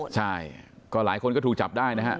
ใช่ก็หลายคนก็ถูกจับได้นะฮะ